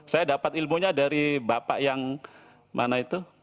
saya dapat ilmunya dari bapak yang mana itu